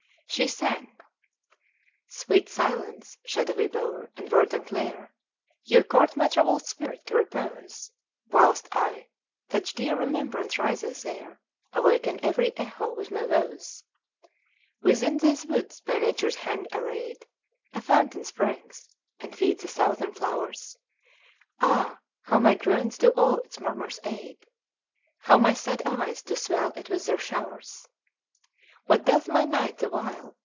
She sang: "Sweet silence, shadowy bower, and verdant lair, Ye court my troubled spirit to repose, Whilst I, such dear remembrance rises there, Awaken every echo with my woes "Within these woods, by nature's hand arrayed, A fountain springs, and feeds a thousand flowers; Ah! how my groans do all its murmurs aid! How my sad eyes do swell it with their showers! "What doth my knight the while?